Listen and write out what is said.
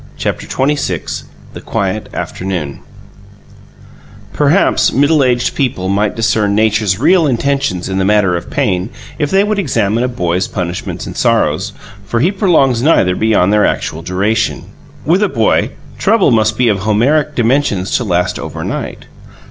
CHAPTER XXVI THE QUIET AFTERNOON Perhaps middle aged people might discern Nature's real intentions in the matter of pain if they would examine a boy's punishments and sorrows, for he prolongs neither beyond their actual duration. With a boy, trouble must be of Homeric dimensions to last overnight.